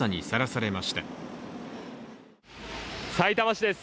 さいたま市です。